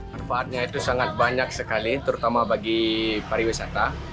manfaatnya itu sangat banyak sekali terutama bagi pariwisata